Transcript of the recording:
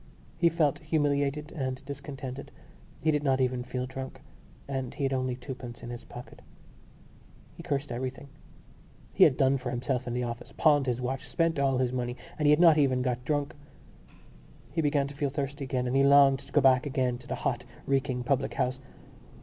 He felt humiliated and discontented; he did not even feel drunk; and he had only twopence in his pocket. He cursed everything. He had done for himself in the office, pawned his watch, spent all his money; and he had not even got drunk. He began to feel thirsty again and he longed to be back again in the hot reeking public house.